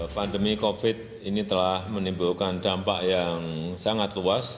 pandemi covid ini telah menimbulkan dampak yang sangat luas